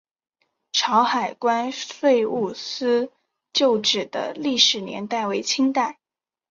潮海关税务司旧址的历史年代为清代。